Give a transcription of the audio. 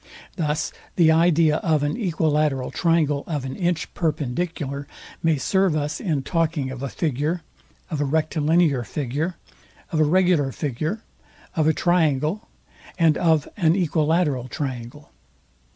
Thus the idea of an equilateral triangle of an inch perpendicular may serve us in talking of a figure, of a rectilinear figure, of a regular figure, of a triangle, and of an equilateral triangle.